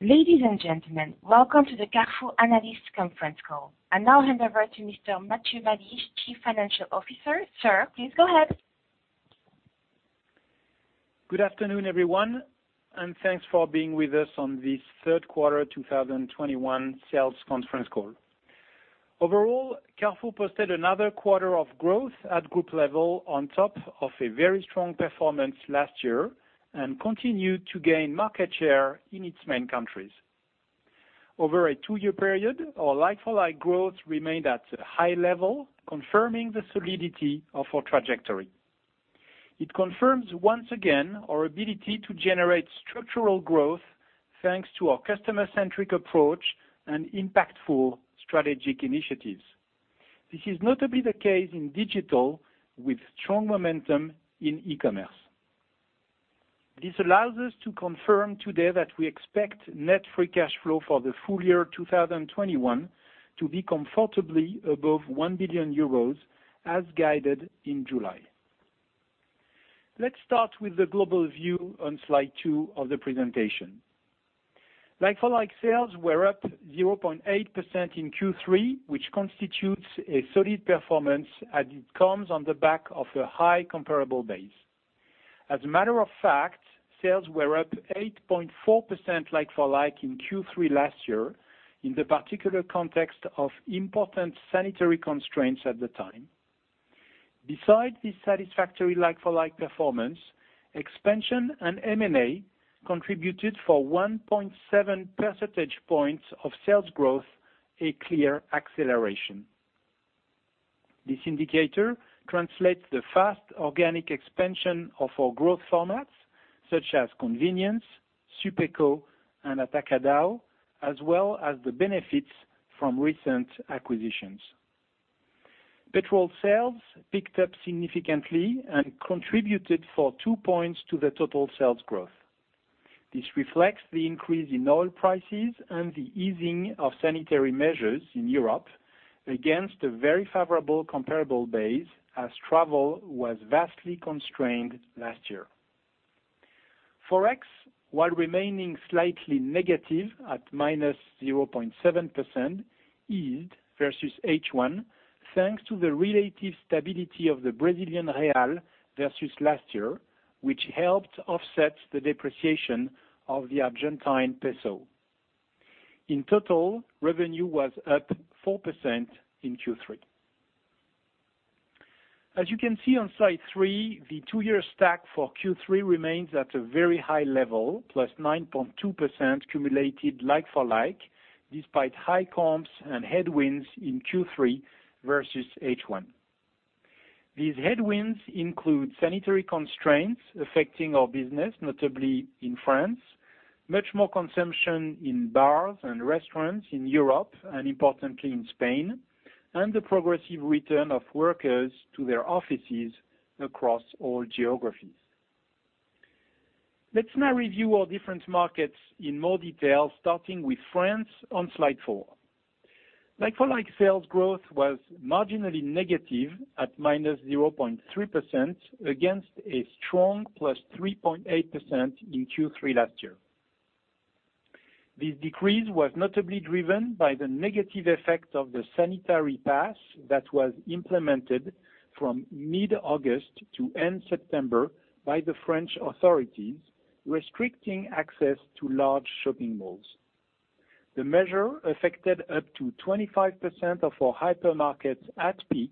Ladies and gentlemen, welcome to the Carrefour Analyst Conference Call. I now hand over to Mr Matthieu Malige, Chief Financial Officer. Sir, please go ahead. Good afternoon, everyone, and thanks for being with us on this third quarter 2021 sales conference call. Overall, Carrefour posted another quarter of growth at group level on top of a very strong performance last year and continued to gain market share in its main countries. Over a two-year period, our like-for-like growth remained at a high level, confirming the solidity of our trajectory. It confirms once again our ability to generate structural growth, thanks to our customer-centric approach and impactful strategic initiatives. This is notably the case in digital with strong momentum in e-commerce. This allows us to confirm today that we expect net free cash flow for the full year 2021 to be comfortably above 1 billion euros as guided in July. Let's start with the global view on slide two of the presentation. Like-for-like sales were up 0.8% in Q3, which constitutes a solid performance as it comes on the back of a high comparable base. As a matter of fact, sales were up 8.4% like-for-like in Q3 last year in the particular context of important sanitary constraints at the time. Besides this satisfactory like-for-like performance, expansion and M&A contributed for 1.7 percentage points of sales growth, a clear acceleration. This indicator translates the fast organic expansion of our growth formats such as convenience, Supeco, and Atacadão, as well as the benefits from recent acquisitions. Petrol sales picked up significantly and contributed for two points to the total sales growth. This reflects the increase in oil prices and the easing of sanitary measures in Europe against a very favorable comparable base as travel was vastly constrained last year. Forex, while remaining slightly negative at -0.7%, eased versus H1 thanks to the relative stability of the Brazilian real versus last year, which helped offset the depreciation of the Argentine peso. In total, revenue was up 4% in Q3. As you can see on Slide three, the two-year stack for Q3 remains at a very high level, +9.2% cumulative like-for-like despite high comps and headwinds in Q3 versus H1. These headwinds include sanitary constraints affecting our business, notably in France, much more consumption in bars and restaurants in Europe and importantly in Spain, and the progressive return of workers to their offices across all geographies. Let's now review our different markets in more detail, starting with France on Slide four. Like-for-like sales growth was marginally negative at -0.3% against a strong +3.8% in Q3 last year. This decrease was notably driven by the negative effect of the sanitary pass that was implemented from mid-August to end September by the French authorities restricting access to large shopping malls. The measure affected up to 25% of our hypermarkets at peak,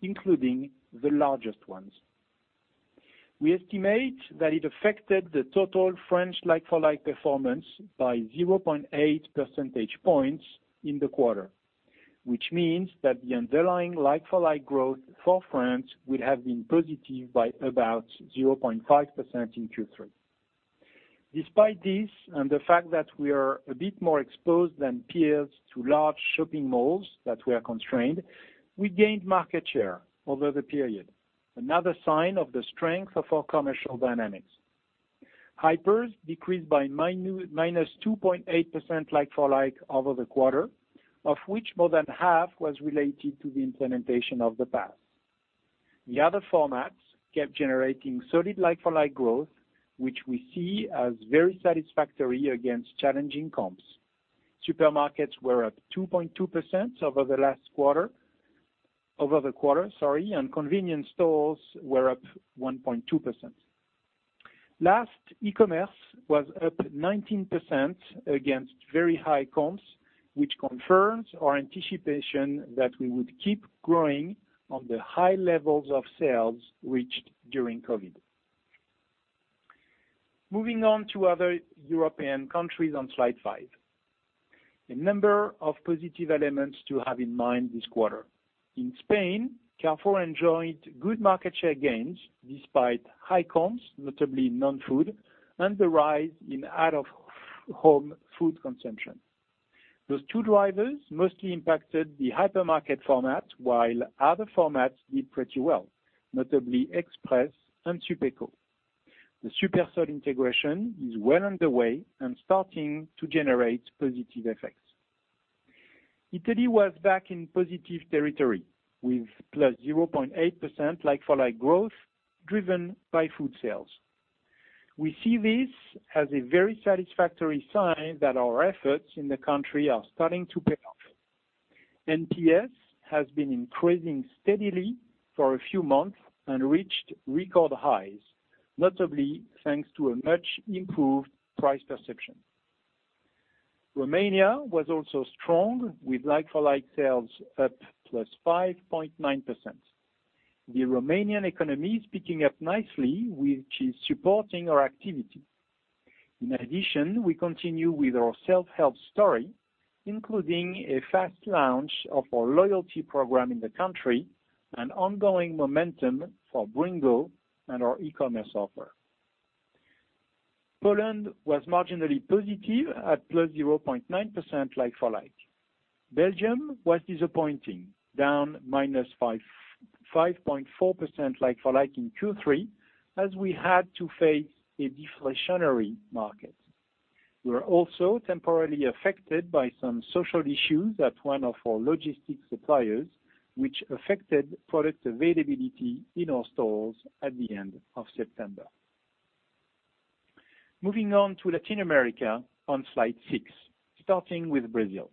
including the largest ones. We estimate that it affected the total French like-for-like performance by 0.8 percentage points in the quarter, which means that the underlying like-for-like growth for France would have been positive by about 0.5% in Q3. Despite this and the fact that we are a bit more exposed than peers to large shopping malls that were constrained, we gained market share over the period, another sign of the strength of our commercial dynamics. Hypers decreased by -2.8% like-for-like over the quarter, of which more than half was related to the implementation of the pass. The other formats kept generating solid like-for-like growth, which we see as very satisfactory against challenging comps. Supermarkets were up 2.2% over the quarter, and convenience stores were up 1.2%. Last, e-commerce was up 19% against very high comps, which confirms our anticipation that we would keep growing on the high levels of sales reached during COVID. Moving on to other European countries on Slide 5. A number of positive elements to have in mind this quarter. In Spain, Carrefour enjoyed good market share gains despite high comps, notably in non-food, and the rise in out-of-home food consumption. Those two drivers mostly impacted the hypermarket format while other formats did pretty well, notably Express and Supeco. The Supersol integration is well underway and starting to generate positive effects. Italy was back in positive territory with +0.8% like-for-like growth driven by food sales. We see this as a very satisfactory sign that our efforts in the country are starting to pay off. NPS has been increasing steadily for a few months and reached record highs, notably thanks to a much-improved price perception. Romania was also strong, with like-for-like sales up +5.9%. The Romanian economy is picking up nicely, which is supporting our activity. In addition, we continue with our self-help story, including a fast launch of our loyalty program in the country and ongoing momentum for Bringo and our e-commerce offer. Poland was marginally positive at +0.9% like-for-like. Belgium was disappointing, down -5.4% like-for-like in Q3, as we had to face a deflationary market. We were also temporarily affected by some social issues at one of our logistics suppliers, which affected product availability in our stores at the end of September. Moving on to Latin America on Slide six, starting with Brazil.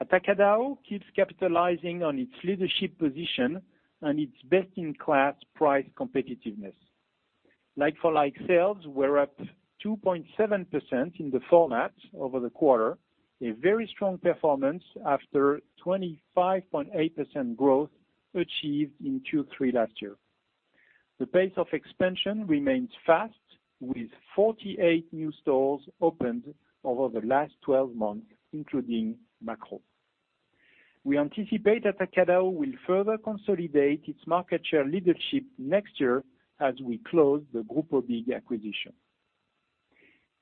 Atacadão keeps capitalizing on its leadership position and its best-in-class price competitiveness. like-for-like sales were up 2.7% in the format over the quarter, a very strong performance after 25.8% growth achieved in Q3 last year. The pace of expansion remains fast, with 48 new stores opened over the last 12 months, including Makro. We anticipate Atacadão will further consolidate its market share leadership next year as we close the Grupo BIG acquisition.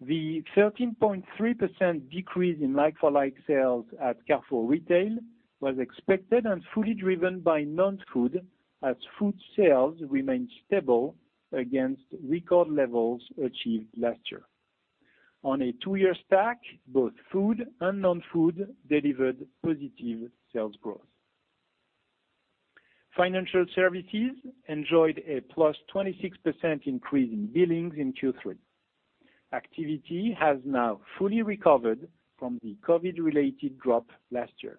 The 13.3% decrease in like-for-like sales at Carrefour Retail was expected and fully driven by non-food, as food sales remained stable against record levels achieved last year. On a two-year stack, both food and non-food delivered positive sales growth. Financial services enjoyed a +26% increase in billings in Q3. Activity has now fully recovered from the COVID-related drop last year.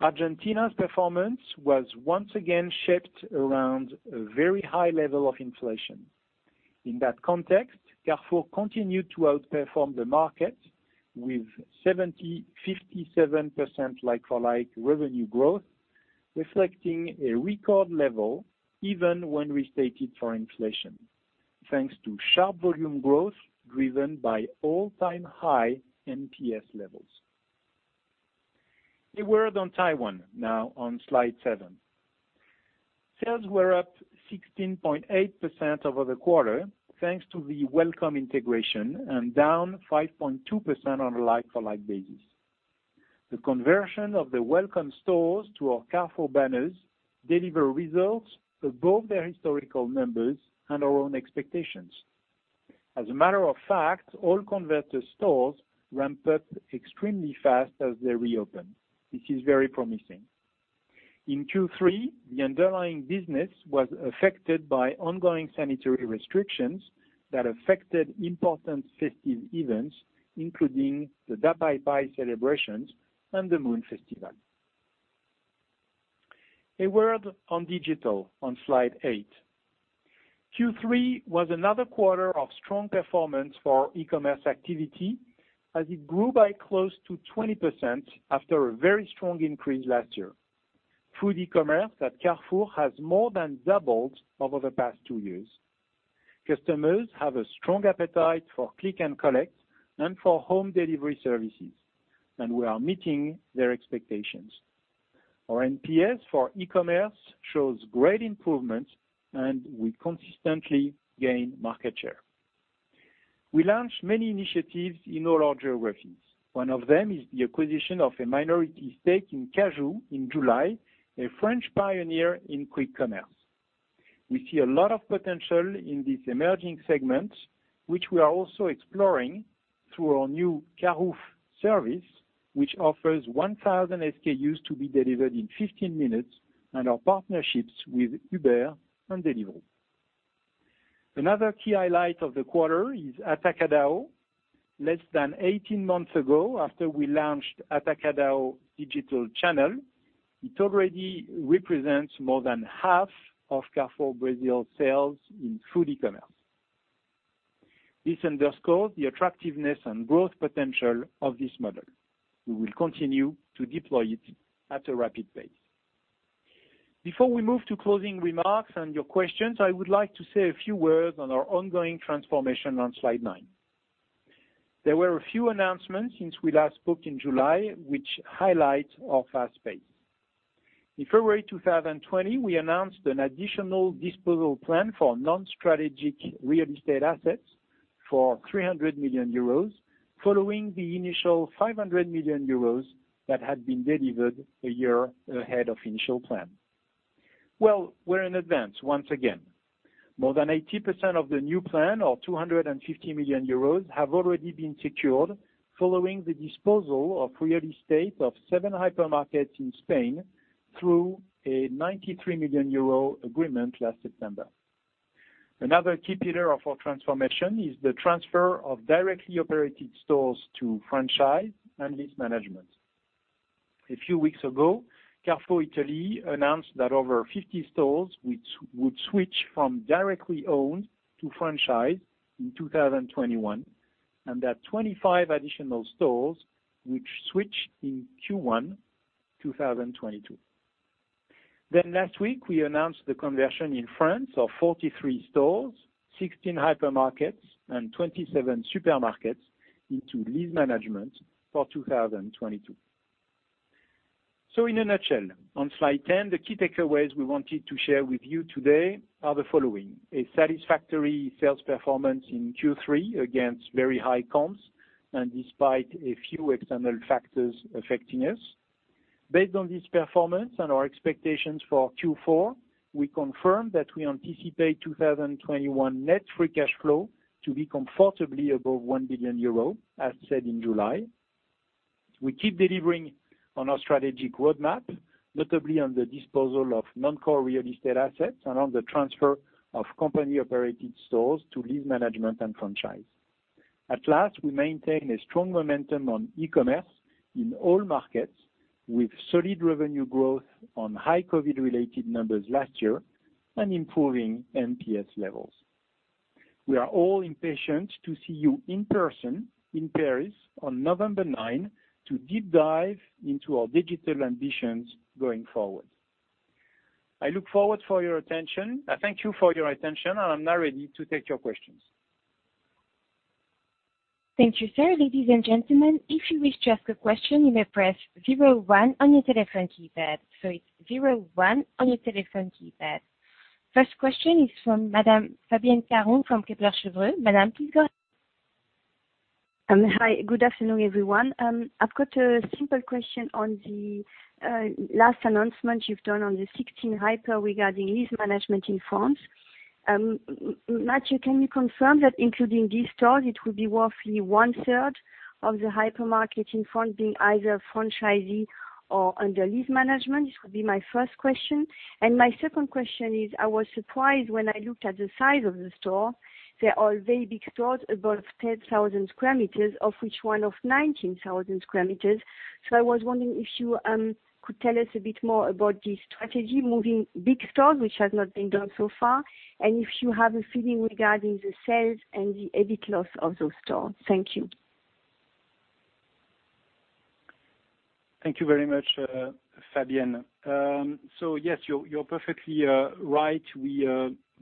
Argentina's performance was once again shaped around a very high level of inflation. In that context, Carrefour continued to outperform the market with 57% like-for-like revenue growth, reflecting a record level even when restated for inflation, thanks to sharp volume growth driven by all-time high NPS levels. A word on Taiwan now on Slide seven. Sales were up 16.8% over the quarter, thanks to the Wellcome integration, and down 5.2% on a like-for-like basis. The conversion of the Wellcome stores to our Carrefour banners deliver results above their historical numbers and our own expectations. As a matter of fact, all converted stores ramped up extremely fast as they reopened. This is very promising. In Q3, the underlying business was affected by ongoing sanitary restrictions that affected important festive events, including the Double 11 celebrations and the Moon Festival. A word on digital on Slide eight. Q3 was another quarter of strong performance for our e-commerce activity, as it grew by close to 20% after a very strong increase last year. Food e-commerce at Carrefour has more than doubled over the past two years. Customers have a strong appetite for click and collect and for home delivery services. We are meeting their expectations. Our NPS for e-commerce shows great improvements. We consistently gain market share. We launched many initiatives in all our geographies. One of them is the acquisition of a minority stake in Cajoo in July, a French pioneer in quick commerce. We see a lot of potential in this emerging segment, which we are also exploring through our new Carouf service, which offers 1,000 SKUs to be delivered in 15 minutes and our partnerships with Uber and Deliveroo. Another key highlight of the quarter is Atacadão. Less than 18 months ago, after we launched Atacadão digital channel, it already represents more than half of Carrefour Brazil sales in food e-commerce. This underscores the attractiveness and growth potential of this model. We will continue to deploy it at a rapid pace. Before we move to closing remarks and your questions, I would like to say a few words on our ongoing transformation on Slide 9. There were a few announcements since we last spoke in July, which highlight our fast pace. In February 2020, we announced an additional disposal plan for non-strategic real estate assets for 300 million euros, following the initial 500 million euros that had been delivered a year ahead of initial plan. Well, we're in advance once again. More than 80% of the new plan, or 250 million euros, have already been secured following the disposal of real estate of seven hypermarkets in Spain through a 93 million euro agreement last September. Another key pillar of our transformation is the transfer of directly operated stores to franchise and lease management. A few weeks ago, Carrefour Italy announced that over 50 stores would switch from directly owned to franchise in 2021, and that 25 additional stores would switch in Q1 2022. Last week we announced the conversion in France of 43 stores, 16 hypermarkets, and 27 supermarkets into lease management for 2022. In a nutshell, on slide 10, the key takeaways we wanted to share with you today are the following. A satisfactory sales performance in Q3 against very high comps and despite a few external factors affecting us. Based on this performance and our expectations for Q4, we confirm that we anticipate 2021 net free cash flow to be comfortably above 1 billion euro, as said in July. We keep delivering on our strategic roadmap, notably on the disposal of non-core real estate assets and on the transfer of company-operated stores to lease management and franchise. At last, we maintain a strong momentum on e-commerce in all markets with solid revenue growth on high COVID related numbers last year and improving NPS levels. We are all impatient to see you in person in Paris on 9 November to deep dive into our digital ambitions going forward. I thank you for your attention, and I am now ready to take your questions. Thank you, sir. Ladies and gentlemen, if you wish to ask a question, you may press zero, one on your telephone keypad. It's 01 on your telephone keypad. First question is from Madame Fabienne Caron from Kepler Cheuvreux. Madame, please go ahead. Hi, good afternoon, everyone. I've got a simple question on the last announcement you've done on the 16 hyper regarding lease management in France. Matthieu, can you confirm that including these stores, it will be roughly one third of the hypermarket in France being either franchisee or under lease management? This would be my first question. My second question is, I was surprised when I looked at the size of the store. They are very big stores, above 10,000 sq m, of which one of 19,000 sq m. I was wondering if you could tell us a bit more about this strategy, moving big stores, which has not been done so far, and if you have a feeling regarding the sales and the EBIT loss of those stores. Thank you. Thank you very much, Fabienne. Yes, you're perfectly right.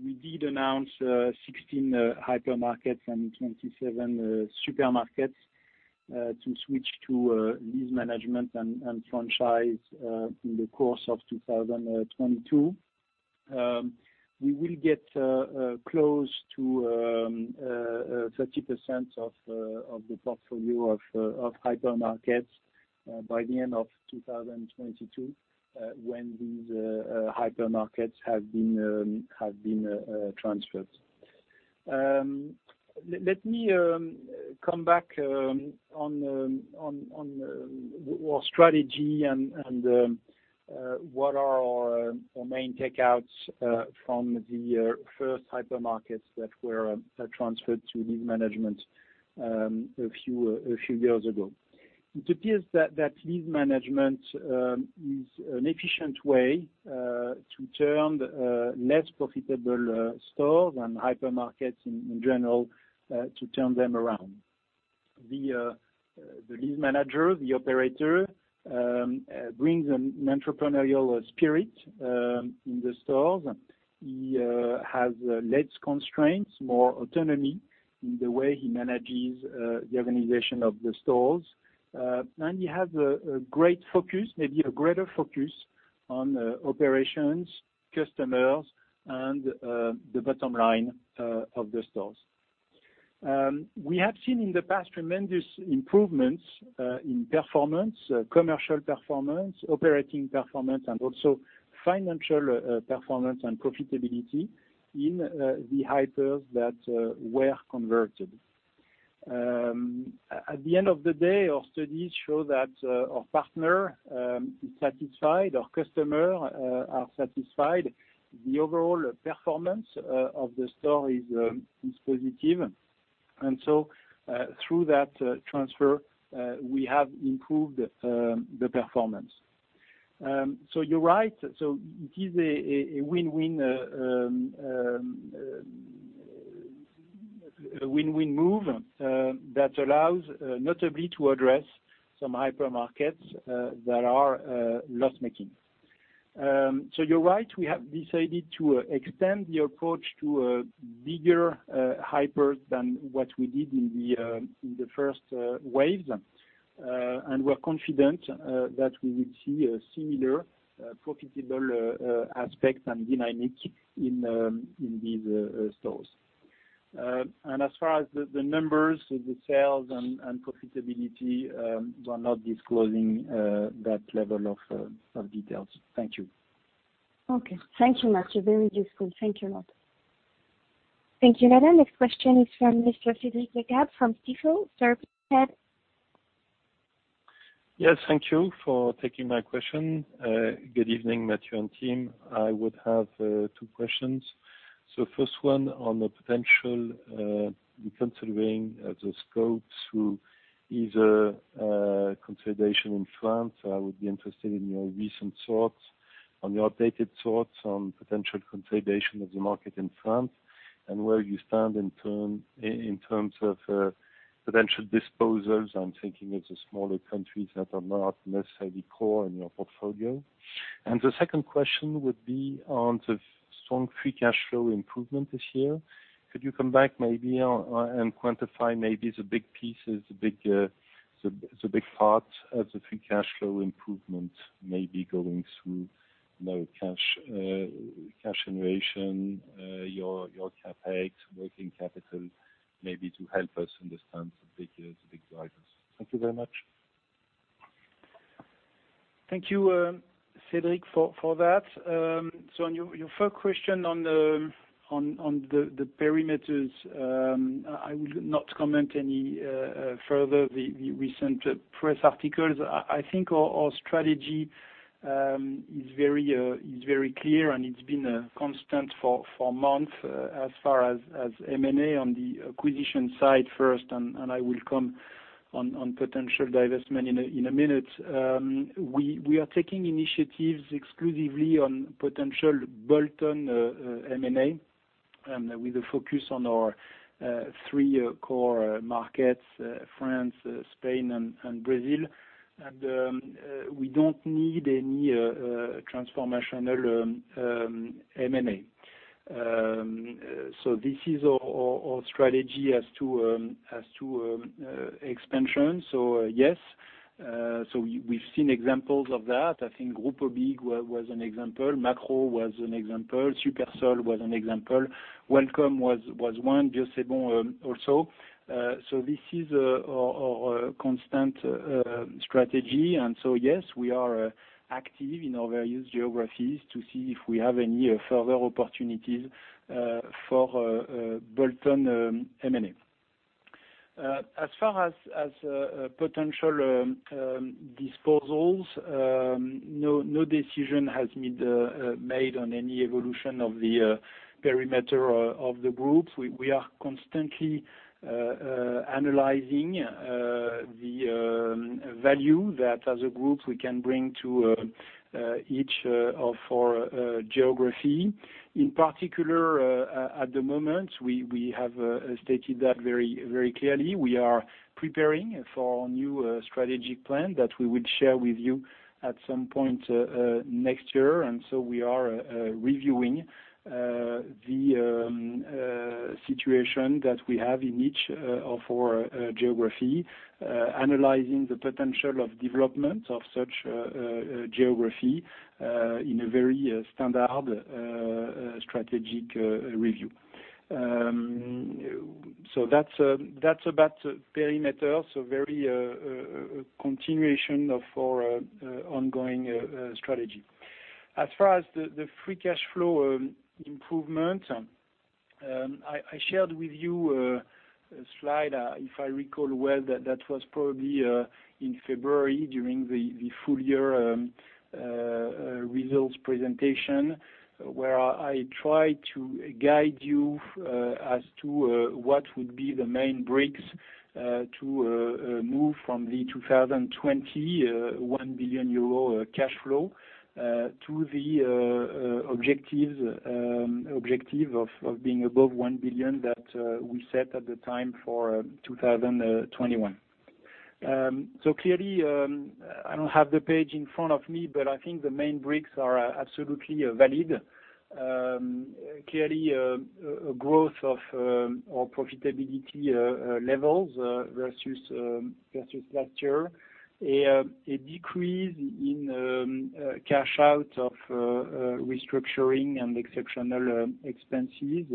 We did announce 16 hypermarkets and 27 supermarkets to switch to lease management and franchise in the course of 2022. We will get close to 30% of the portfolio of hypermarkets by the end of 2022, when these hypermarkets have been transferred. Let me come back on our strategy and what are our main takeouts from the first hypermarkets that were transferred to lease management a few years ago. It appears that lease management is an efficient way to turn less profitable stores and hypermarkets in general, to turn them around. The lease manager, the operator, brings an entrepreneurial spirit in the stores. He has less constraints, more autonomy in the way he manages the organization of the stores. He has a great focus, maybe a greater focus on operations, customers, and the bottom line of the stores. We have seen in the past tremendous improvements in performance, commercial performance, operating performance, and also financial performance and profitability in the hypers that were converted. At the end of the day, our studies show that our partner is satisfied, our customer are satisfied. The overall performance of the store is positive, and through that transfer, we have improved the performance. You're right. It is a win-win move that allows notably to address some hypermarkets that are loss-making. You're right. We have decided to extend the approach to bigger hypers than what we did in the 1st wave. We're confident that we will see a similar profitable aspect and dynamic in these stores. As far as the numbers, so the sales and profitability, we are not disclosing that level of details. Thank you. Okay. Thank you, Matthieu, very useful. Thank you a lot. Thank you, Nadia. Next question is from Mr. Cédric Lecasble from Stifel. Sir, go ahead. Yes, thank you for taking my question. Good evening, Matthieu and team. I would have two questions. First one on the potential reconsidering the scope through either consolidation in France. I would be interested in your recent thoughts on your updated thoughts on potential consolidation of the market in France and where you stand in terms of potential disposals. I'm thinking of the smaller countries that are not necessarily core in your portfolio. The second question would be on the strong free cash flow improvement this year. Could you come back maybe and quantify maybe the big pieces, the big part of the free cash flow improvement, maybe going through cash generation, your CapEx, working capital, maybe to help us understand the big drivers. Thank you very much. Thank you, Cedric, for that. On your first question on the perimeters, I will not comment any further the recent press articles. I think our strategy is very clear, and it's been a constant for months as far as M&A on the acquisition side first, and I will come on potential divestment in a minute. We are taking initiatives exclusively on potential bolt-on M&A, with a focus on our three core markets, France, Spain, and Brazil. We don't need any transformational M&A. This is our strategy as to expansion. Yes, we've seen examples of that. I think Grupo BIG was an example. Makro was an example. Supersol was an example. Wellcome was one, Bio c' Bon also. This is our constant strategy. Yes, we are active in our various geographies to see if we have any further opportunities for bolt-on M&A. As far as potential disposals, no decision has been made on any evolution of the perimeter of the group. We are constantly analyzing the value that as a group we can bring to each of our geographies. In particular, at the moment, we have stated that very clearly. We are preparing for a new strategic plan that we would share with you at some point next year. We are reviewing the situation that we have in each of our geographies, analyzing the potential of development of such geography in a very standard strategic review. That's about perimeter, so very continuation of our ongoing strategy. As far as the free cash flow improvement, I shared with you a slide, if I recall well, that was probably in February during the full year results presentation, where I tried to guide you as to what would be the main breaks to move from the 2020 1 billion euro cash flow to the objective of being above 1 billion that we set at the time for 2021. Clearly, I don't have the page in front of me, but I think the main breaks are absolutely valid. Clearly, a growth of our profitability levels versus last year, a decrease in cash out of restructuring and exceptional expenses.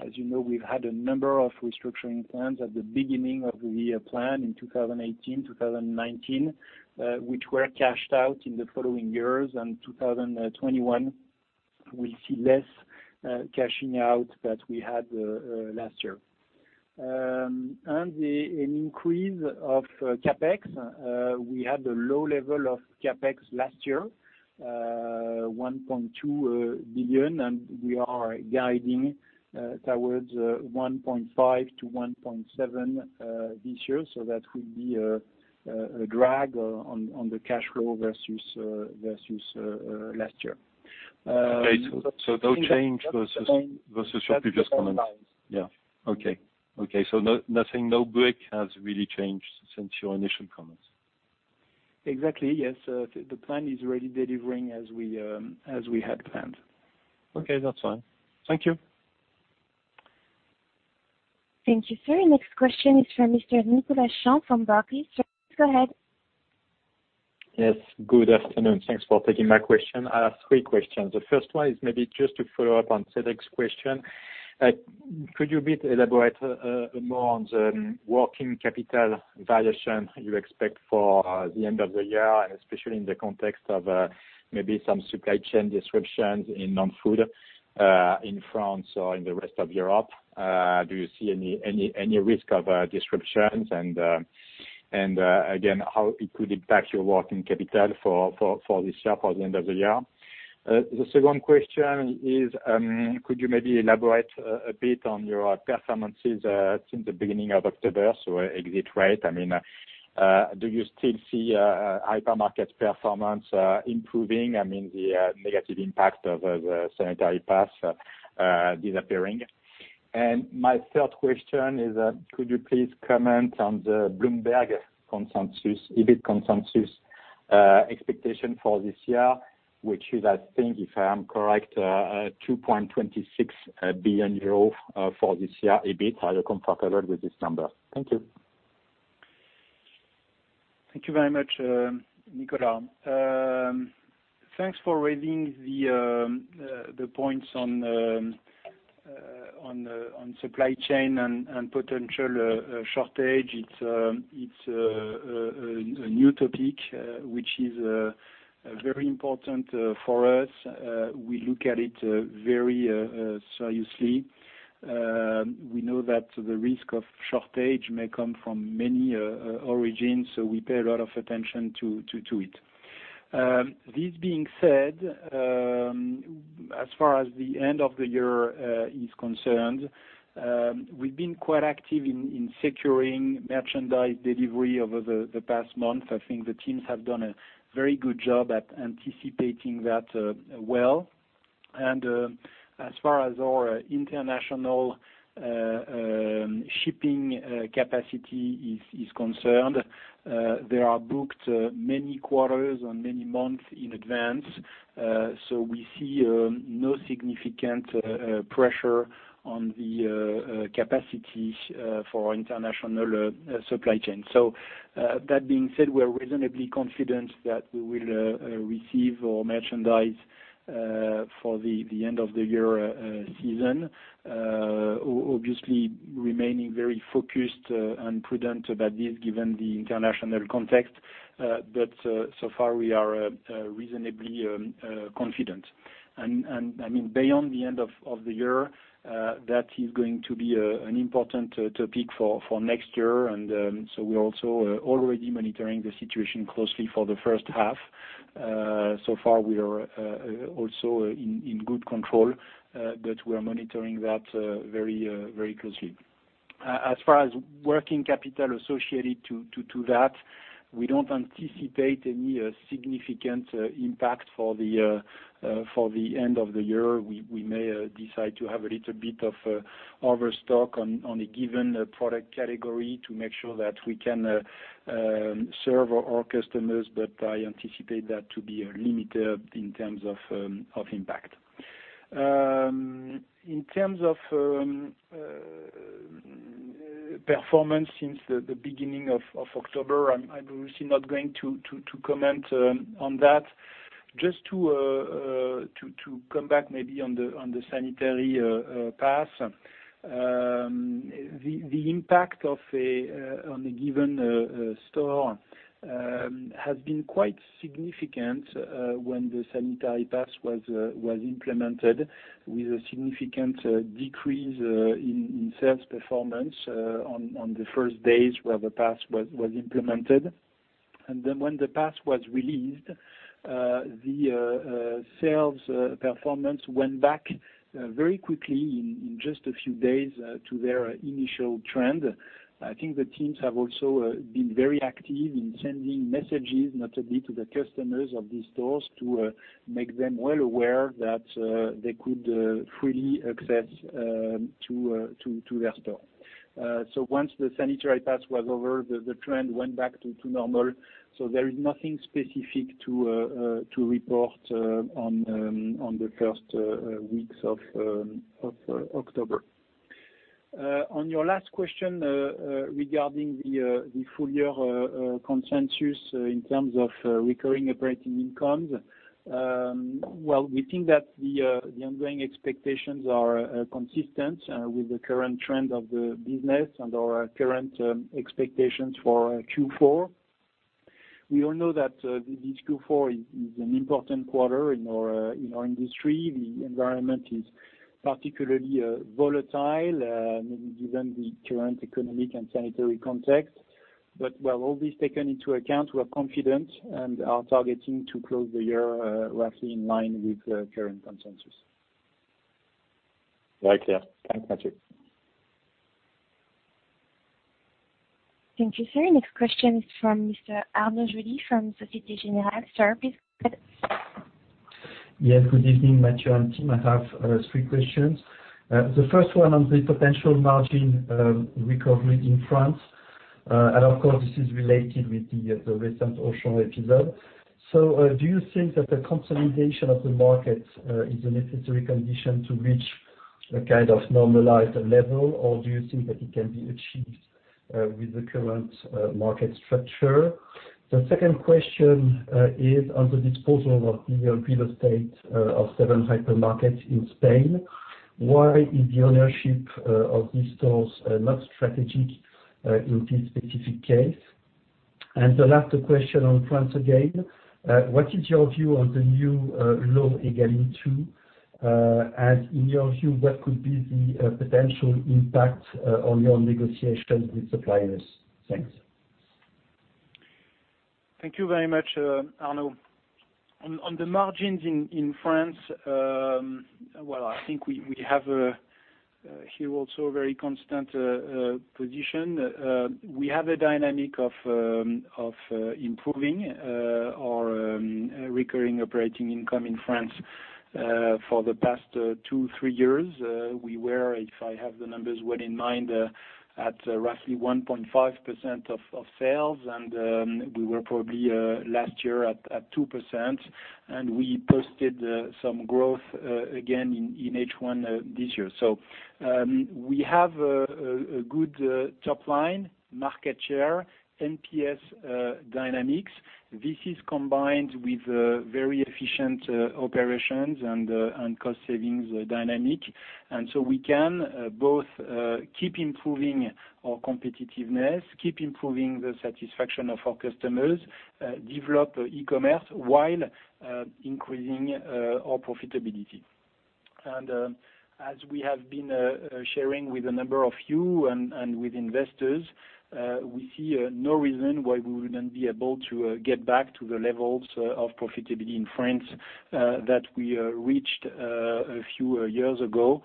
As you know, we've had a number of restructuring plans at the beginning of the year plan in 2018, 2019, which were cashed out in the following years. 2021, we see less cashing out that we had last year. An increase of CapEx. We had a low level of CapEx last year, 1.2 billion, and we are guiding towards 1.5 to 1.7 billion this year, so that would be a drag on the cash flow versus last year. Okay, no change versus your previous comments. That's the plan. Yeah, okay. Nothing, no break has really changed since your initial comments. Exactly, yes. The plan is really delivering as we had planned. Okay, that's fine. Thank you. Thank you, sir. Next question is from Mr. Nicolas Champ from Barclays. Sir, go ahead. Yes. Good afternoon. Thanks for taking my question. I have three questions. The first one is maybe just to follow up on Cédric's question. Could you elaborate a bit more on the working capital valuation you expect for the end of the year, and especially in the context of maybe some supply chain disruptions in non-food, in France or in the rest of Europe? Do you see any risk of disruptions, and again, how it could impact your working capital for this year, for the end of the year? The second question is, could you maybe elaborate a bit on your performances since the beginning of October? Exit rate. Do you still see hypermarket performance improving? The negative impact of the sanitary pass disappearing. My third question is, could you please comment on the Bloomberg consensus, EBIT consensus, expectation for this year, which is, I think, if I am correct, 2.26 billion euros for this year, EBIT. Are you comfortable with this number? Thank you. Thank you very much, Nicolas. Thanks for raising the points on supply chain and potential shortage. It's a new topic, which is very important for us. We look at it very seriously. We know that the risk of shortage may come from many origins, we pay a lot of attention to it. This being said, as far as the end of the year is concerned, we've been quite active in securing merchandise delivery over the past month. I think the teams have done a very good job at anticipating that well. As far as our international shipping capacity is concerned, they are booked many quarters and many months in advance. We see no significant pressure on the capacity for international supply chain. That being said, we're reasonably confident that we will receive our merchandise for the end of the year season, obviously remaining very focused and prudent about this given the international context. So far we are reasonably confident. Beyond the end of the year, that is going to be an important topic for next year. We're also already monitoring the situation closely for the first half. So far, we are also in good control, but we are monitoring that very closely. As far as working capital associated to that, we don't anticipate any significant impact for the end of the year. We may decide to have a little bit of overstock on a given product category to make sure that we can serve our customers, but I anticipate that to be limited in terms of impact. In terms of performance since the beginning of October, I'm obviously not going to comment on that. Just to come back maybe on the sanitary pass. The impact on a given store has been quite significant when the sanitary pass was implemented with a significant decrease in sales performance on the first days where the pass was implemented. When the pass was released, the sales performance went back very quickly in just a few days, to their initial trend. I think the teams have also been very active in sending messages, notably to the customers of these stores, to make them well aware that they could freely access to their store. Once the sanitary pass was over, the trend went back to normal. There is nothing specific to report on the first weeks of October. On your last question regarding the full-year consensus in terms of recurring operating income, well, we think that the ongoing expectations are consistent with the current trend of the business and our current expectations for Q4. We all know that this Q4 is an important quarter in our industry. The environment is particularly volatile, maybe given the current economic and sanitary context. With all this taken into account, we're confident and are targeting to close the year roughly in line with the current consensus. Very clear. Thanks, Matthieu. Thank you, sir. Next question is from Mr. Arnaud Joly from Societe Generale. Sir, please go ahead. Yes, good evening, Mathieu and team. I have three questions. The first one on the potential margin recovery in France. Of course, this is related with the recent Auchan episode. Do you think that the consolidation of the market is a necessary condition to reach a kind of normalized level, or do you think that it can be achieved with the current market structure? The second question is on the disposal of the real estate of seven hypermarkets in Spain. Why is the ownership of these stores not strategic in this specific case? The last question on France again, what is your view on the new law, Egalim 2? In your view, what could be the potential impact on your negotiations with suppliers? Thanks. Thank you very much, Arnaud. On the margins in France, I think we have a very constant position. We have a dynamic of improving our recurring operating income in France for the past two, three years. We were, if I have the numbers well in mind, at roughly 1.5% of sales, and we were probably last year at 2%, and we posted some growth again in H1 this year. We have a good top line, market share, NPS dynamics. This is combined with very efficient operations and cost savings dynamic. We can both keep improving our competitiveness, keep improving the satisfaction of our customers, develop e-commerce while increasing our profitability. As we have been sharing with a number of you and with investors, we see no reason why we wouldn't be able to get back to the levels of profitability in France that we reached a few years ago,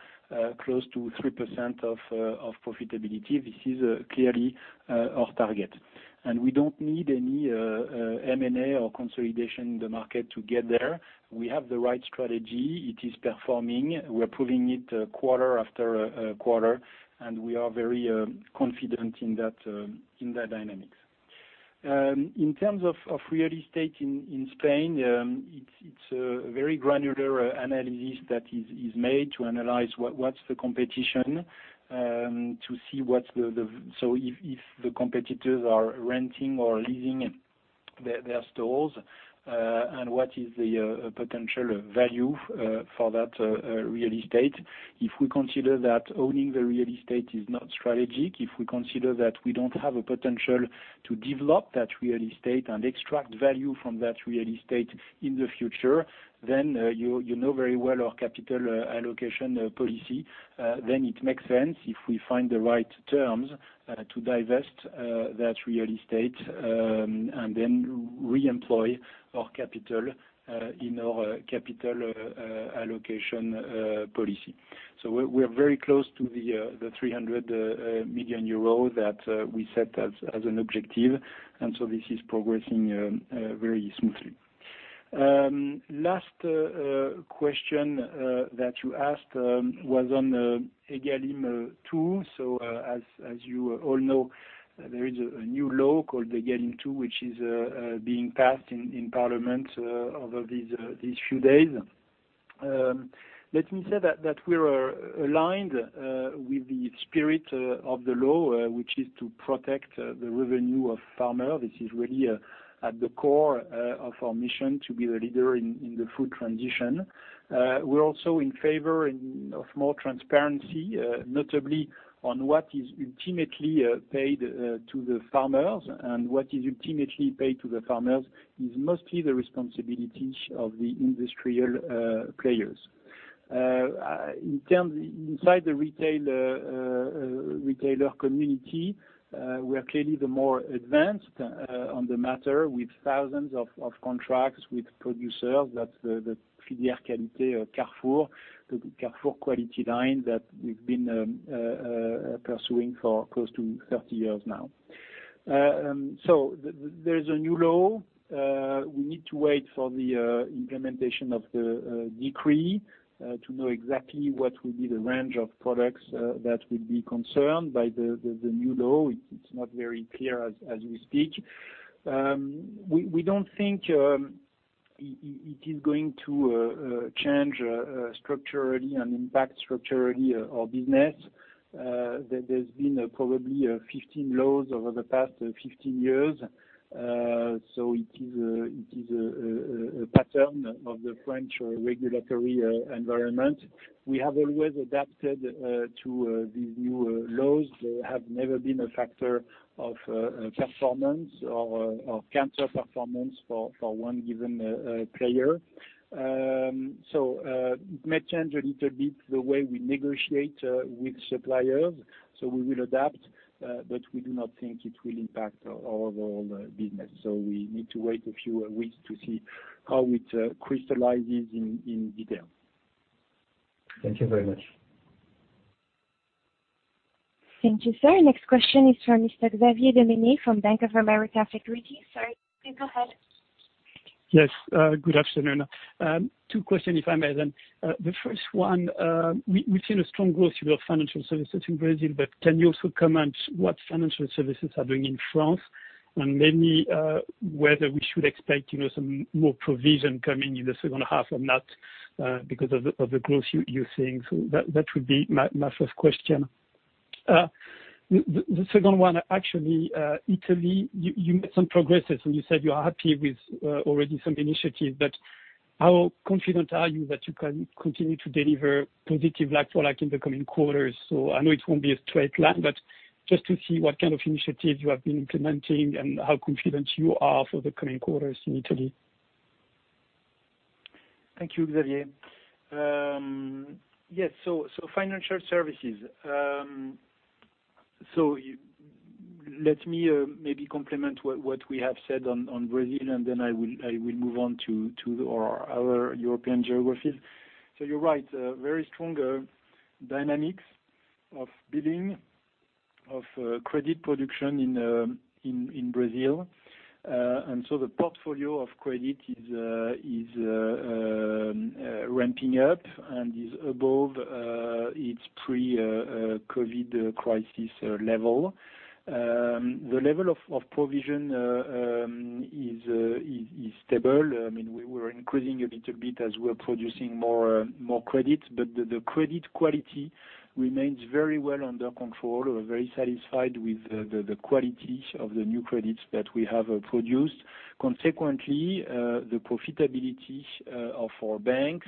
close to 3% of profitability. This is clearly our target. We don't need any M&A or consolidation in the market to get there. We have the right strategy. It is performing. We're proving it quarter after quarter, and we are very confident in that dynamic. In terms of real estate in Spain, it's a very granular analysis that is made to analyze what's the competition, to see if the competitors are renting or leasing their stores, and what is the potential value for that real estate. If we consider that owning the real estate is not strategic, if we consider that we don't have a potential to develop that real estate and extract value from that real estate in the future, you know very well our capital allocation policy, it makes sense, if we find the right terms, to divest that real estate, reemploy our capital in our capital allocation policy. We're very close to the 300 million euro that we set as an objective, this is progressing very smoothly. Last question that you asked was on Egalim 2. As you all know, there is a new law called Egalim 2, which is being passed in parliament over these few days. Let me say that we are aligned with the spirit of the law, which is to protect the revenue of farmer. This is really at the core of our mission to be the leader in the food transition. We're also in favor of more transparency, notably on what is ultimately paid to the farmers, and what is ultimately paid to the farmers is mostly the responsibility of the industrial players. Inside the retailer community, we are clearly the more advanced on the matter with thousands of contracts with producers. That's the Filières Qualité Carrefour, the Carrefour Quality Line that we've been pursuing for close to 30 years now. There is a new law. We need to wait for the implementation of the decree to know exactly what will be the range of products that will be concerned by the new law. It's not very clear as we speak. We don't think it is going to change structurally and impact structurally our business. There's been probably 15 laws over the past 15 years, so it is a pattern of the French regulatory environment. We have always adapted to these new laws. They have never been a factor of performance or counter-performance for one given player. It may change a little bit the way we negotiate with suppliers. We will adapt, but we do not think it will impact our overall business. We need to wait a few weeks to see how it crystallizes in detail. Thank you very much. Thank you, sir. Next question is from Mr. Xavier Le Mené from Bank of America Securities. Sir, please go ahead. Yes, good afternoon. two questions, if I may, then. The first one, we've seen a strong growth of your financial services in Brazil, but can you also comment what financial services are doing in France? Whether we should expect some more provision coming in the second half or not because of the growth you're seeing. That would be my first question. The second one, actually, Italy, you made some progress and you said you are happy with already some initiatives, but how confident are you that you can continue to deliver positive like-for-like in the coming quarters? I know it won't be a straight line, but just to see what kind of initiatives you have been implementing and how confident you are for the coming quarters in Italy. Thank you, Xavier. Yes, financial services. Let me maybe complement what we have said on Brazil, I will move on to our other European geographies. You're right, very strong dynamics of building, of credit production in Brazil. The portfolio of credit is ramping up and is above its pre-COVID crisis level. The level of provision is stable. We're increasing a little bit as we're producing more credits, but the credit quality remains very well under control. We're very satisfied with the quality of the new credits that we have produced. Consequently, the profitability of our bank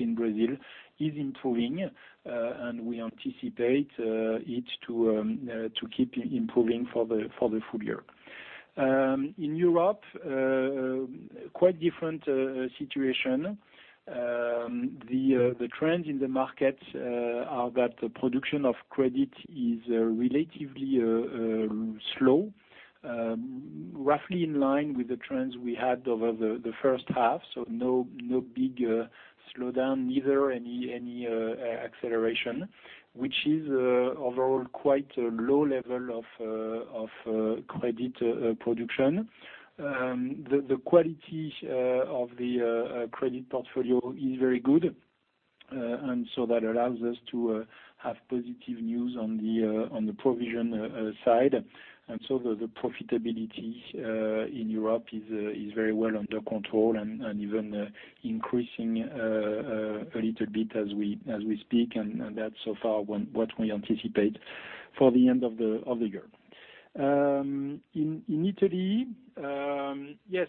in Brazil is improving, and we anticipate it to keep improving for the full year. In Europe, quite different situation. The trends in the markets are that the production of credit is relatively slow, roughly in line with the trends we had over the first half. No big slowdown, neither any acceleration, which is overall quite a low level of credit production. The quality of the credit portfolio is very good. That allows us to have positive news on the provision side. The profitability in Europe is very well under control and even increasing a little bit as we speak, and that's so far what we anticipate for the end of the year. In Italy, yes,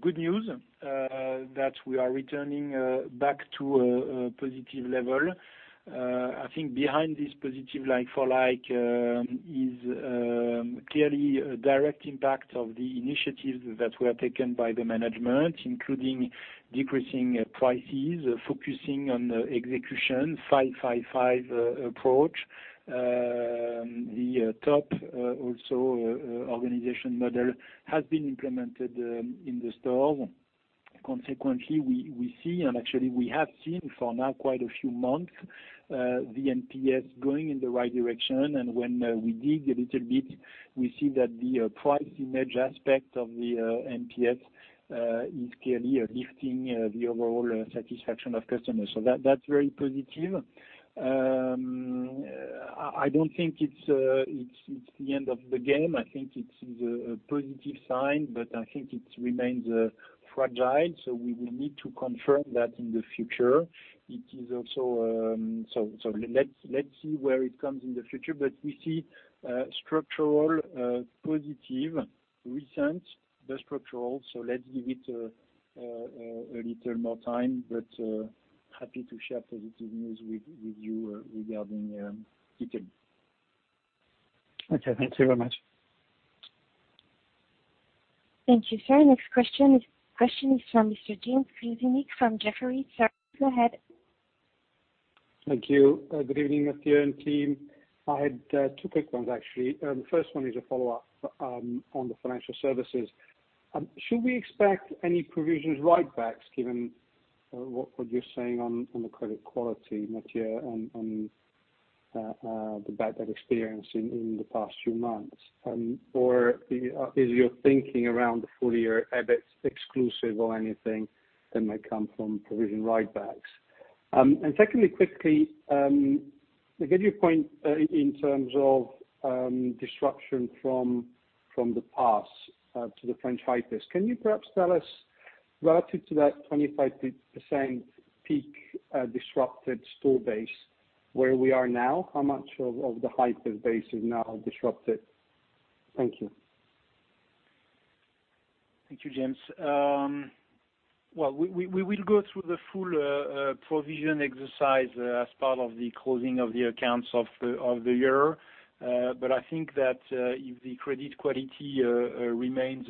good news that we are returning back to a positive level. I think behind this positive like-for-like is clearly a direct impact of the initiatives that were taken by the management, including decreasing prices, focusing on execution, 5-5-5 approach. The top, also, organization model has been implemented in the stores. Consequently, we see, and actually we have seen for now quite a few months, the NPS going in the right direction. When we dig a little bit, we see that the price image aspect of the NPS is clearly lifting the overall satisfaction of customers. That's very positive. I don't think it's the end of the game. I think it is a positive sign, but I think it remains fragile, so we will need to confirm that in the future. Let's see where it comes in the future. We see structural positive results. Let's give it a little more time. Happy to share positive news with you regarding Italy. Okay. Thank you very much. Thank you, sir. Next question is from Mr. James Grzinic from Jefferies. Sir, go ahead. Thank you. Good evening, Mathieu and team. I had two quick ones, actually. First one is a follow-up on the financial services. Should we expect any provisions write-backs given what you're saying on the credit quality, Mathieu, on the bad debt experience in the past few months? Is your thinking around the full year EBIT exclusive or anything that might come from provision write-backs? Secondly, quickly, to give you a point in terms of disruption from the past to the French hypers, can you perhaps tell us relative to that 25% peak disrupted store base, where we are now, how much of the hyper base is now disrupted? Thank you. Thank you, James. Well, we will go through the full provision exercise as part of the closing of the accounts of the year. I think that if the credit quality remains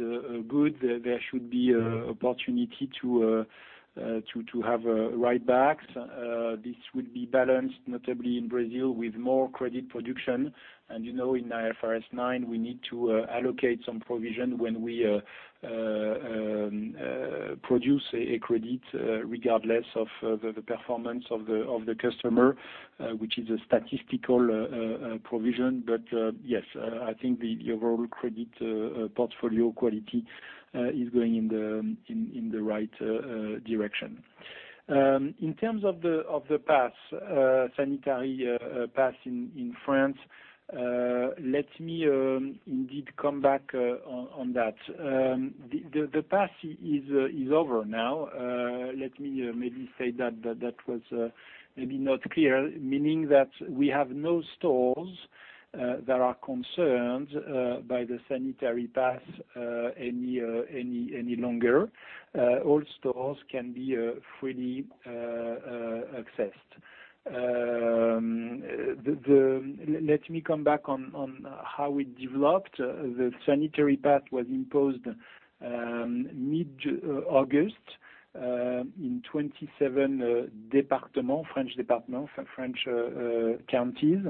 good, there should be opportunity to have write-backs. This will be balanced, notably in Brazil, with more credit production. You know, in IFRS 9, we need to allocate some provision when we produce a credit regardless of the performance of the customer, which is a statistical provision. Yes, I think the overall credit portfolio quality is going in the right direction. In terms of the sanitary pass in France, let me indeed come back on that. The pass is over now. Let me maybe say that was maybe not clear, meaning that we have no stores that are concerned by the sanitary pass any longer. All stores can be freely accessed. Let me come back on how it developed. The sanitary pass was imposed mid-August, in 27 French departments, French counties.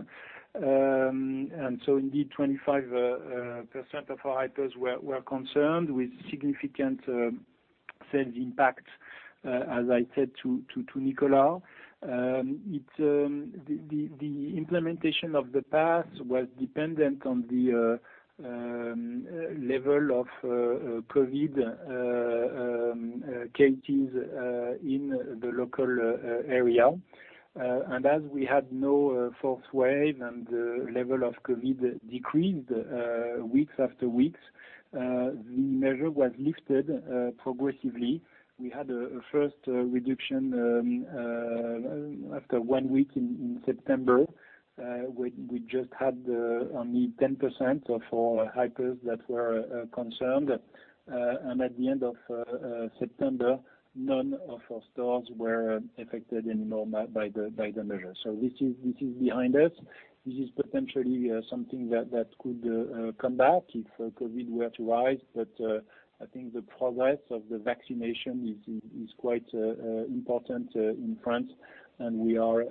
Indeed, 25% of our hypers were concerned with significant sales impact, as I said to Nicolas. The implementation of the pass was dependent on the level of COVID cases in the local area. As we had no fourth wave and the level of COVID decreased weeks after weeks, the measure was lifted progressively. We had a first reduction after one week in September, we just had only 10% of our hypers that were concerned. At the end of September, none of our stores were affected anymore by the measure. This is behind us. This is potentially something that could come back if COVID were to rise, but I think the progress of the vaccination is quite important in France, and we are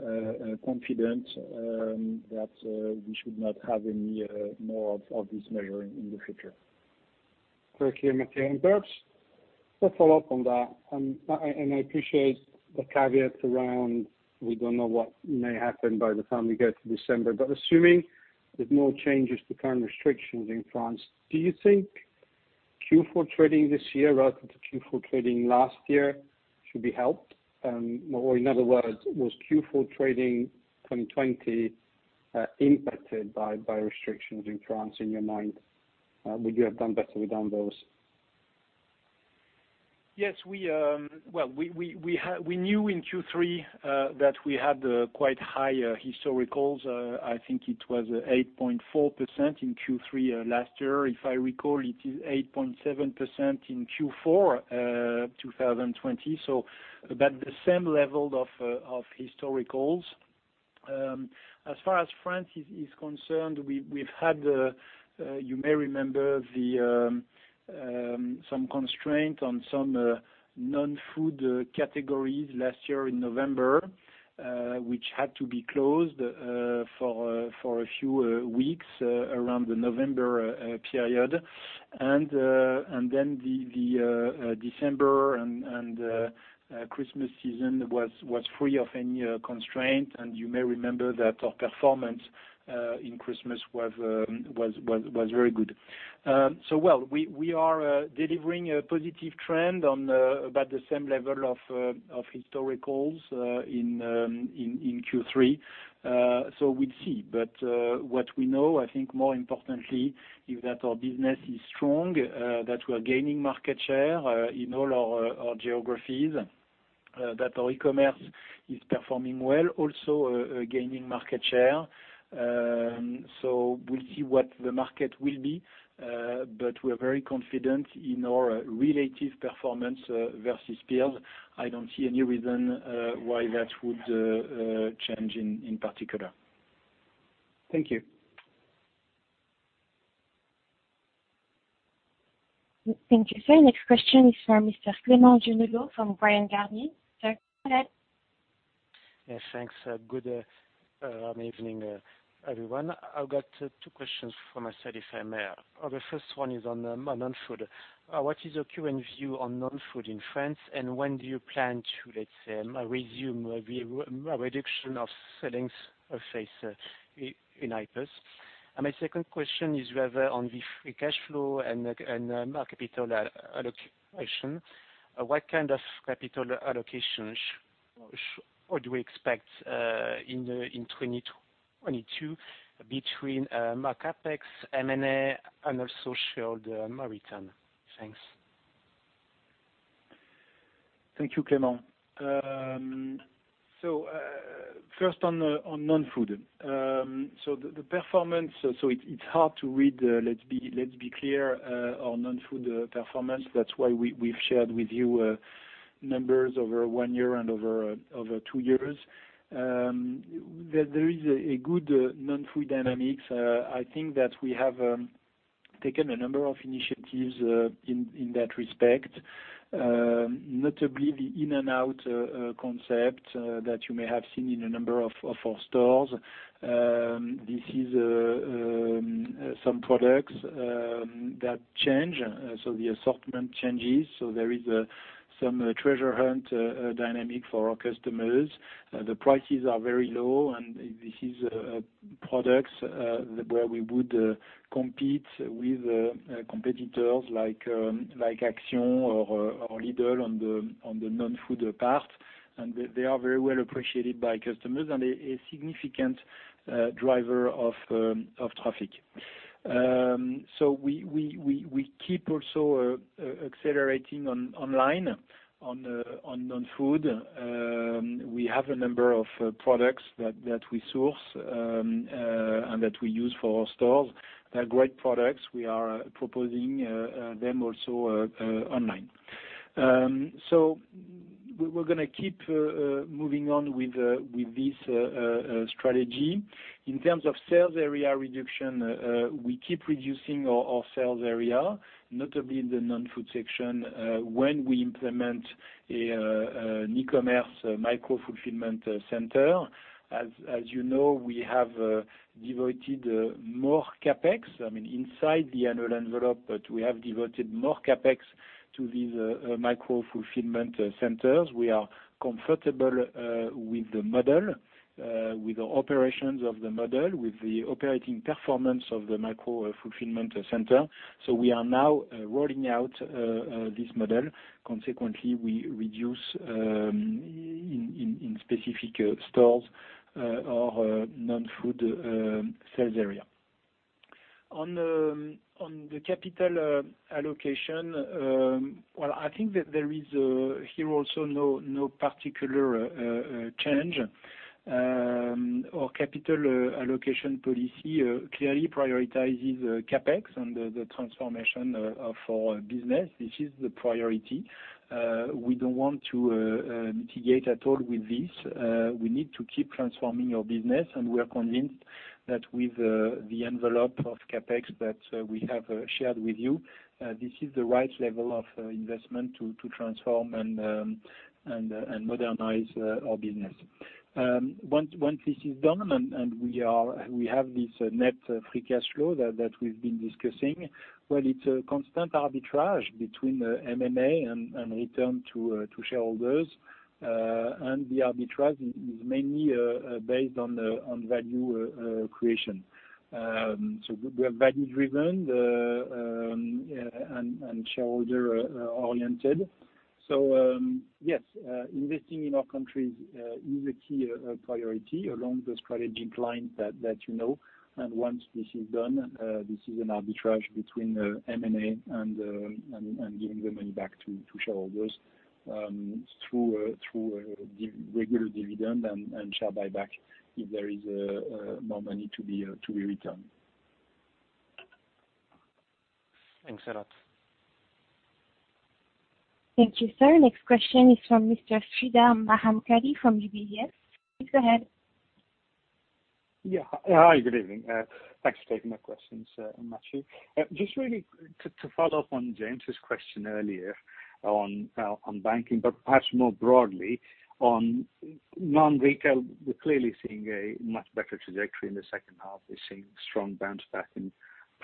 confident that we should not have any more of this measure in the future. Thank you, Mathieu and peeps, just a follow-up on that. I appreciate the caveats around, we don't know what may happen by the time we get to December. Assuming there's no changes to current restrictions in France, do you think Q4 trading this year relative to Q4 trading last year should be helped? In other words, was Q4 trading 2020 impacted by restrictions in France in your mind? Would you have done better without those? We knew in Q3 that we had quite high historicals. I think it was 8.4% in Q3 last year. If I recall, it is 8.7% in Q4 2020, about the same level of historicals. As far as France is concerned, we've had, you may remember, some constraint on some non-food categories last year in November, which had to be closed for a few weeks around the November period. The December and Christmas season was free of any constraint, and you may remember that our performance in Christmas was very good. Well, we are delivering a positive trend on about the same level of historicals in Q3. We'll see, what we know, I think more importantly, is that our business is strong, that we're gaining market share in all our geographies, that our e-commerce is performing well, also gaining market share. We'll see what the market will be, but we're very confident in our relative performance versus peers. I don't see any reason why that would change in particular. Thank you. Thank you, sir. Next question is from Mr. Clément Genelot from Bryan Garnier. Sir, go ahead. Yes, thanks. Good evening, everyone. I've got two questions for Matthieu if I may. The first one is on non-food. What is your current view on non-food in France, and when do you plan to, let's say, resume a reduction of sellings surface in hypers? My second question is rather on the free cash flow and market allocation. What kind of capital allocations do we expect in 2022 between CapEx, M&A, and also shareholder return? Thanks. Thank you, Clément. First on non-food. The performance, it is hard to read, let us be clear, our non-food performance. That is why we have shared with you numbers over 1 year and over 2 years. There is a good non-food dynamics. I think that we have taken a number of initiatives in that respect. Notably the in and out concept that you may have seen in a number of our stores. This is some products that change, so the assortment changes. There is some treasure hunt dynamic for our customers. The prices are very low, and this is products where we would compete with competitors like Action or Lidl on the non-food part. They are very well appreciated by customers and a significant driver of traffic. We keep also accelerating online on non-food. We have a number of products that we source and that we use for our stores. They're great products. We are proposing them also online. We're going to keep moving on with this strategy. In terms of sales area reduction, we keep reducing our sales area, notably in the non-food section, when we implement an e-commerce micro-fulfillment center. You know, we have devoted more CapEx, inside the annual envelope, but we have devoted more CapEx to these micro-fulfillment centers. We are comfortable with the model, with the operations of the model, with the operating performance of the micro-fulfillment center. We are now rolling out this model. Consequently, we reduce in specific stores our non-food sales area. On the capital allocation, I think that there is here also no particular change. Our capital allocation policy clearly prioritizes CapEx and the transformation of our business. This is the priority. We don't want to mitigate at all with this. We need to keep transforming our business. We are convinced that with the envelope of CapEx that we have shared with you, this is the right level of investment to transform and modernize our business. Once this is done and we have this net free cash flow that we've been discussing, well, it's a constant arbitrage between M&A and return to shareholders. The arbitrage is mainly based on value creation. We are value driven and shareholder oriented. Yes, investing in our countries is a key priority along the strategic lines that you know. Once this is done, this is an arbitrage between M&A and giving the money back to shareholders through a regular dividend and share buyback if there is more money to be returned. Thanks a lot. Thank you, sir. Next question is from Mr. Sreedhar Mahamkali from UBS. Please go ahead. Hi, good evening. Thanks for taking my questions, Matthieu. To follow up on James's question earlier on banking, but perhaps more broadly on non-retail, we're clearly seeing a much better trajectory in the second half. We're seeing strong bounce back in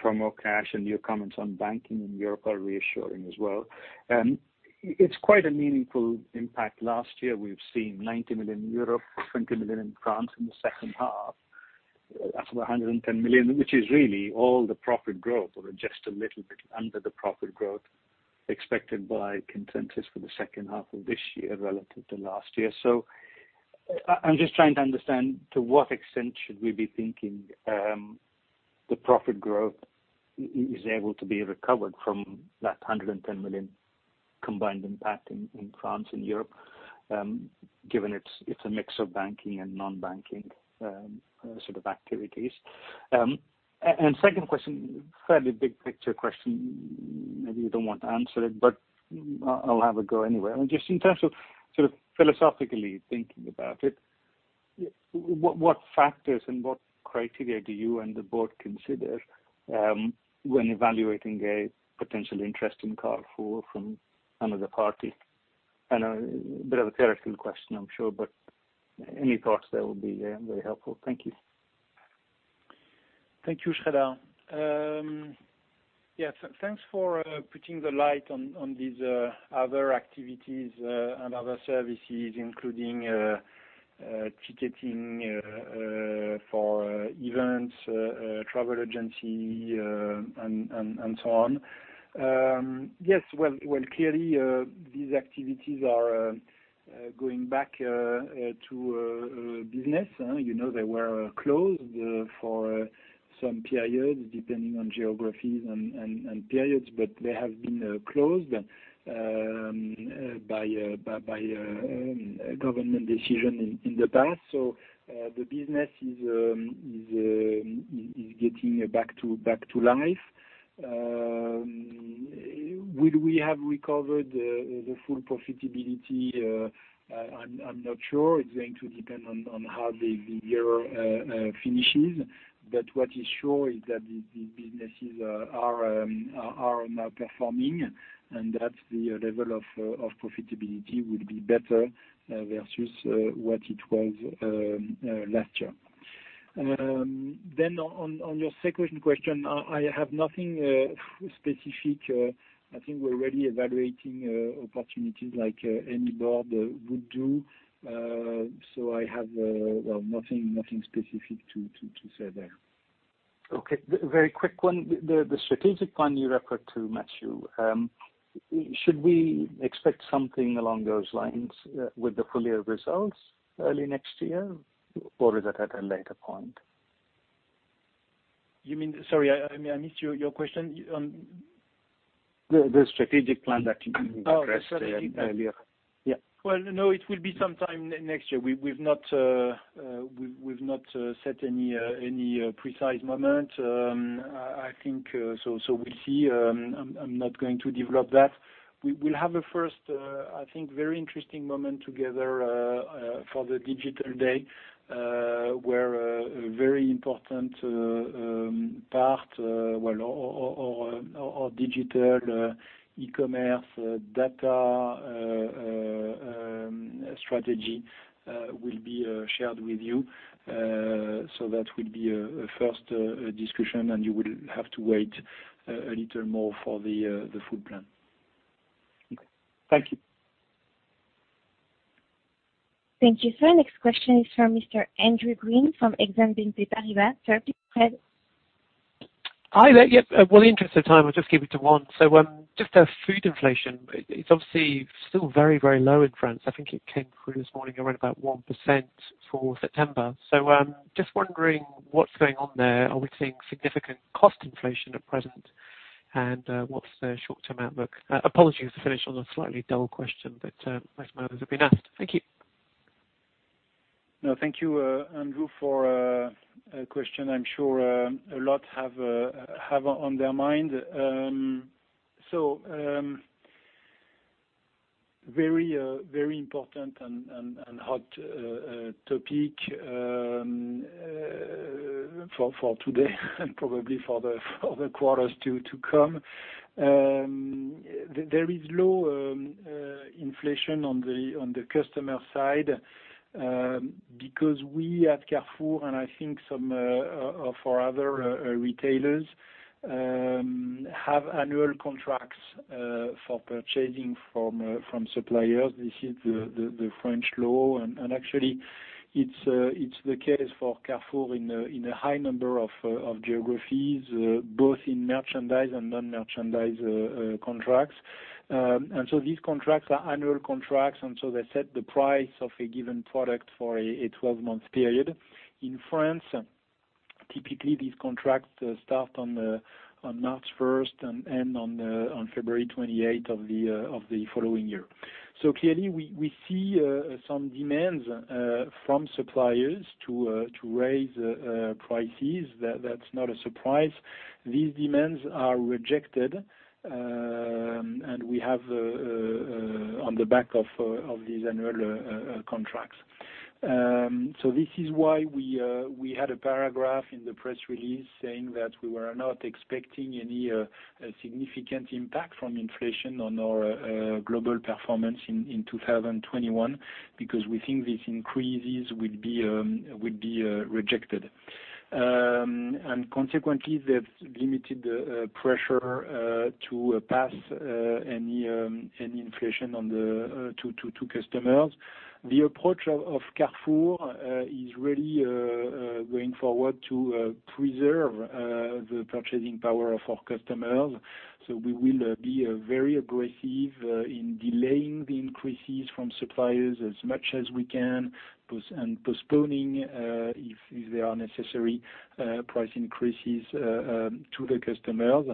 Promocash, and your comments on banking in Europe are reassuring as well. It's quite a meaningful impact. Last year, we've seen 90 million, 20 million in France in the second half. That's about 110 million, which is really all the profit growth or just a little bit under the profit growth expected by consensus for the second half of this year relative to last year. I'm just trying to understand to what extent should we be thinking the profit growth is able to be recovered from that 110 million combined impact in France and Europe, given it's a mix of banking and non-banking sort of activities. Second question, fairly big picture question, maybe you don't want to answer it, but I'll have a go anyway. Just in terms of sort of philosophically thinking about it, what factors and what criteria do you and the board consider when evaluating a potential interest in Carrefour from another party? I know a bit of a theoretical question, I'm sure, but any thoughts there will be very helpful. Thank you. Thank you, Sreedhar. Thanks for putting the light on these other activities and other services, including ticketing for events, travel agency, and so on. Well, clearly these activities are going back to business. You know, they were closed for some periods, depending on geographies and periods, but they have been closed by a government decision in the past. The business is getting back to life. Would we have recovered the full profitability? I'm not sure. It's going to depend on how the year finishes. What is sure is that these businesses are now performing, and that the level of profitability will be better versus what it was last year. On your second question, I have nothing specific. I think we're already evaluating opportunities like any board would do. I have, well, nothing specific to say there. Okay very quick one. The strategic plan you referred to, Matthieu, should we expect something along those lines with the full year results early next year, or is that at a later point? Sorry, I missed your question on The strategic plan that you addressed earlier. Oh, strategic plan. Yeah. Well, no, it will be sometime next year. We've not set any precise moment. I think so we see. I'm not going to develop that. We will have a first, I think, very interesting moment together for the digital day, where a very important part, our digital eCommerce data strategy, will be shared with you. That will be a first discussion, and you will have to wait a little more for the food plan. Thank you. Thank you, sir. Next question is from Mr. Andrew Gwynn from Exane BNP Paribas. Sir, please go ahead. Hi there. Yep. In the interest of time, I'll just keep it to one. Just food inflation, it's obviously still very, very low in France. I think it came through this morning around about 1% for September. Just wondering what's going on there. Are we seeing significant cost inflation at present, and what's the short-term outlook? Apologies to finish on a slightly dull question, less of those have been asked. Thank you. No, thank you, Andrew, for a question I'm sure a lot have on their mind. Very important and hot topic for today and probably for the other quarters to come. There is low inflation on the customer side because we at Carrefour, and I think for other retailers, have annual contracts for purchasing from suppliers. This is the French law, and actually, it's the case for Carrefour in a high number of geographies, both in merchandise and non-merchandise contracts. These contracts are annual contracts, and so they set the price of a given product for a 12-month period. In France, typically these contracts start on 1 March and end on 28 February of the following year. Clearly, we see some demands from suppliers to raise prices. That's not a surprise. These demands are rejected, and we have on the back of these annual contracts. This is why we had a paragraph in the press release saying that we were not expecting any significant impact from inflation on our global performance in 2021, because we think these increases would be rejected. Consequently, they've limited pressure to pass any inflation on to customers. The approach of Carrefour is really going forward to preserve the purchasing power of our customers. We will be very aggressive in delaying the increases from suppliers as much as we can and postponing, if they are necessary, price increases to the customers.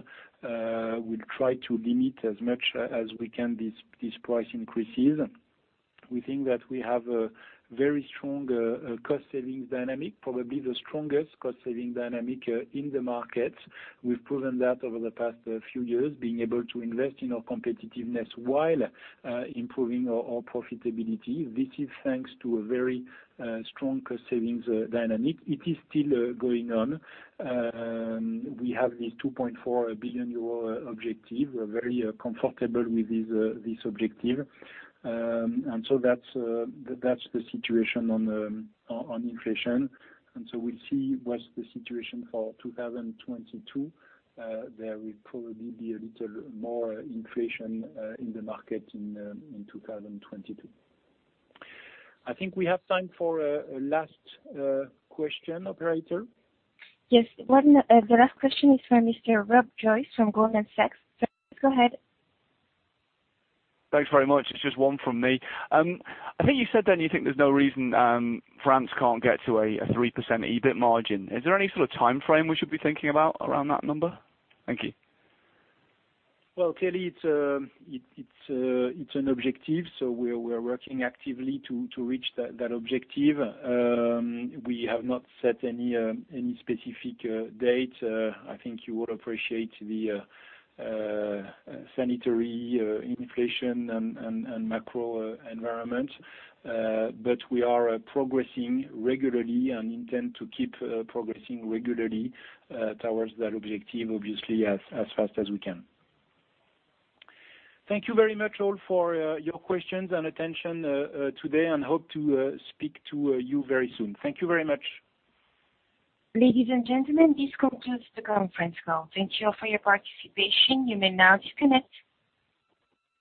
We'll try to limit as much as we can these price increases. We think that we have a very strong cost savings dynamic, probably the strongest cost savings dynamic in the market. We've proven that over the past few years, being able to invest in our competitiveness while improving our profitability. This is thanks to a very strong cost savings dynamic. It is still going on. We have this 2.4 billion euro objective. We're very comfortable with this objective. That's the situation on inflation. We'll see what's the situation for 2022. There will probably be a little more inflation in the market in 2022. I think we have time for a last question, operator. Yes. The last question is from Mr. Rob Joyce from Goldman Sachs. Sir, go ahead. Thanks very much. It is just one from me. I think you said then you think there is no reason France cannot get to a 3% EBIT margin. Is there any sort of timeframe we should be thinking about around that number? Thank you. Clearly, it's an objective, we're working actively to reach that objective. We have not set any specific date. I think you would appreciate the sanitary inflation and macro environment. We are progressing regularly and intend to keep progressing regularly towards that objective, obviously, as fast as we can. Thank you very much all for your questions and attention today, and hope to speak to you very soon. Thank you very much. Ladies and gentlemen, this concludes the conference call. Thank you all for your participation. You may now disconnect.